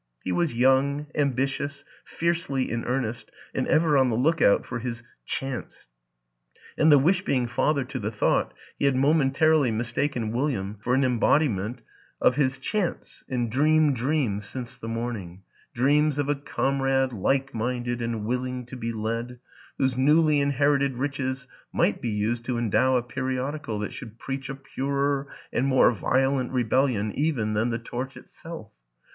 He was young, ambitious, fiercely in earnest and ever on the look out for his Chance ; and, the wish being father to the thought, he had momentarily mistaken William for an embodiment of his 12 WILLIAM AN ENGLISHMAN Chance and dreamed dreams since the morning dreams of a comrade like minded and willing to be led, whose newly inherited riches might be used to endow a periodical that should preach a purer and more violent rebellion even than The Torch itself.